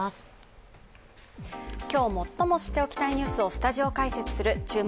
今日、最も知っておきたいニュースをスタジオ解説する「注目！